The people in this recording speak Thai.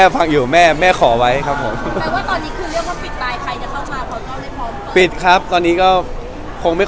อีกอยู่แม่ขอไว้ครับผม